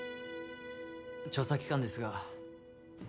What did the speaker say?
調査期間ですが。